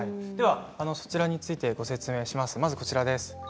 そちらについてご説明します。